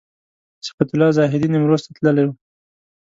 صفت الله زاهدي نیمروز ته تللی و.